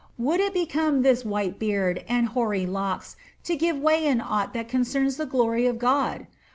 Would it become this white beard and hoary locks to give way in aught that concerns the glory of God